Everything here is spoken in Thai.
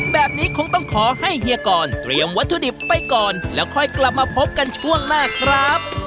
แบบนี้คงต้องขอให้เฮียกรเตรียมวัตถุดิบไปก่อนแล้วค่อยกลับมาพบกันช่วงหน้าครับ